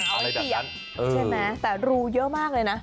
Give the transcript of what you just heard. อะไรแบบนั้น